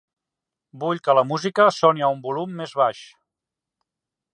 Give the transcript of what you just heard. Vull que la música soni a un volum més baix.